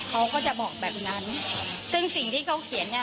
เขาก็จะบอกแบบนั้นซึ่งสิ่งที่เขาเขียนเนี่ย